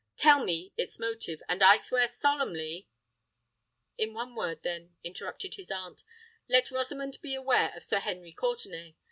"Tell me its motive—and I swear solemnly——" "In one word, then," interrupted his aunt, "let Rosamond beware of Sir Henry Courtenay!